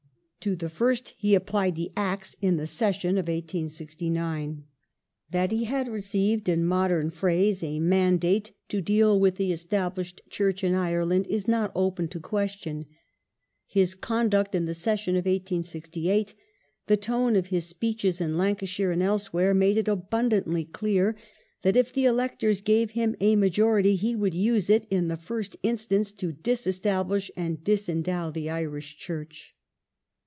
To the first he applied the axe in the session of 1869. That he had received, in modern phrase, a " mandate " to deal with the Established Church in Ireland is not open to question. His conduct in the session of 1868, the tone of his speeches in Lancashire and elsewhere, made it abundantly clear that if the electors gave him a majority he would use it, in the first instance, to disestablish and disendow the Irish Church.